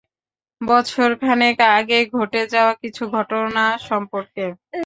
বছরখানেক আগে ঘটে যাওয়া কিছু ঘটনা সম্পর্কে।